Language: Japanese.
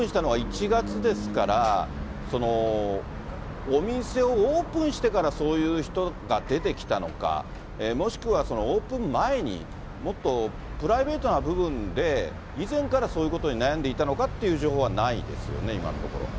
それから、しつこく電話がかかってきたというのが、お店、オープンしたのが１月ですから、お店をオープンしてからそういう人が出てきたのか、もしくはオープン前に、もっとプライベートな部分で、以前からそういうことに悩んでいたのかっていう情報はないですよ